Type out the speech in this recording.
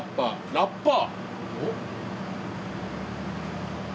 ラッパー！